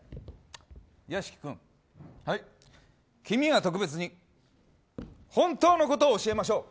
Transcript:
屋敷君君には特別に本当のことを教えましょう。